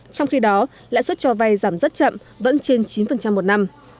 trong khi đó lãi suất cho vay giảm rất chậm vẫn trên chín một năm